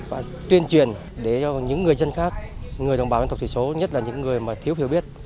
và tuyên truyền để cho những người dân khác người đồng bào dân tộc thủy số nhất là những người mà thiếu hiểu biết